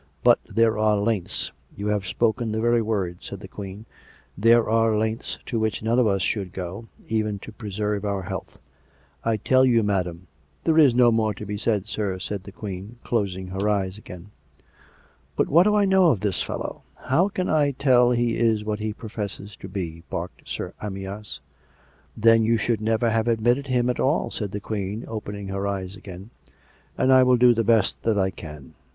But there are lengths "" You have spoken the very word," said the Queen. " There are lengths to which none of us should go, even to preserve our health." " I tell you, madam "" There is no more to be said, sir," said the Queen, closing her eyes again. " But what do I know of this fellow ? How can I tell he is what he professes to be? " barked Sir Amyas. " Then you should never have admitted him at all," said the Queen, opening her eyes again. " And I will do the best that I can " 310 COME RACK!